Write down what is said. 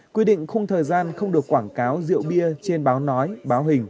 quy định khung thời gian không được quảng cáo rượu bia trên báo nói báo hình